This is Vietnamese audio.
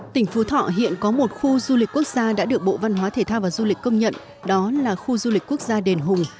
tỉnh phú thọ hiện có một khu du lịch quốc gia đã được bộ văn hóa thể thao và du lịch công nhận đó là khu du lịch quốc gia đền hùng